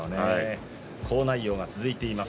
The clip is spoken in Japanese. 好内容が続いています。